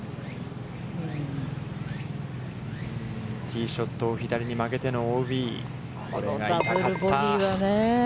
ティーショットを左に曲げてのＯＢ。